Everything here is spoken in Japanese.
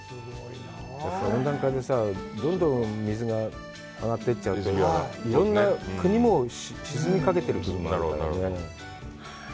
温暖化でさぁ、どんどん水が上がっていっちゃってるし、いろんな国も沈みかけてる国もあるからね。